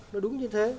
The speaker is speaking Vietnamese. nó đúng như thế